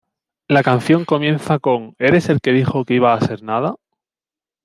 La canción comienza con, "¿Eres el que dijo que iba a ser nada?